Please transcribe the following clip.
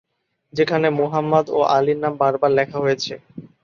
যেখানে মুহাম্মাদ এবং আলীর নাম বারবার লেখা হয়েছে।